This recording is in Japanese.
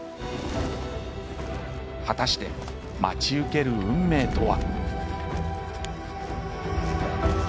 果たして待ち受ける運命とは？